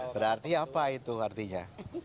berarti apa itu artinya